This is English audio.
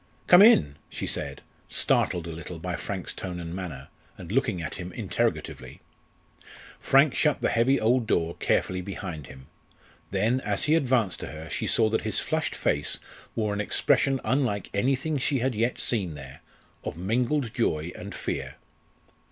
"Come in," she said, startled a little by Frank's tone and manner, and looking at him interrogatively. Frank shut the heavy old door carefully behind him. Then, as he advanced to her she saw that his flushed face wore an expression unlike anything she had yet seen there of mingled joy and fear.